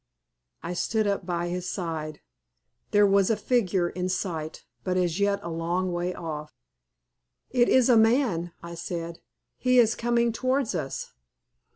I stood up by his side. There was a figure in sight, but as yet a long way off. "It is a man," I said. "He is coming towards us."